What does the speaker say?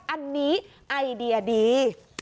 อันนี้ไอเดียดี